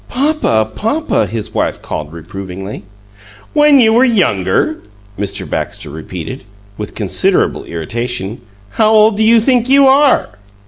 "Papa, papa!" his wife called, reprovingly. "When you were younger!" Mr. Baxter repeated, with considerable irritation. "How old d' you think you are?"